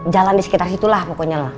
jalan di sekitar situlah pokoknya